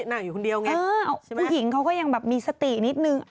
นั่งอยู่คนเดียวไงผู้หญิงเขาก็ยังแบบมีสตินิดนึง